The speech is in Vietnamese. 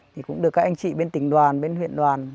thì cũng được các anh chị bên tỉnh đoàn bên huyện đoàn